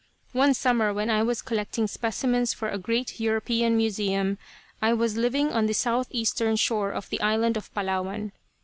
One summer when I was collecting specimens for a great European museum, I was living on the southeastern shore of the island of Palawan.